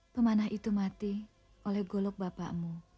pemanah itu mati oleh golok bapakmu